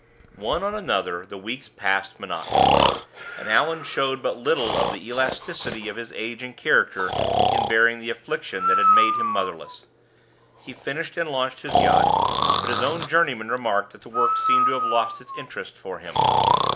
One on another the weeks passed monotonously, and Allan showed but little of the elasticity of his age and character in bearing the affliction that had made him motherless. He finished and launched his yacht; but his own journeymen remarked that the work seemed to have lost its interest for him.